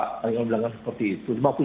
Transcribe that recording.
kalian kalau bilang kan seperti itu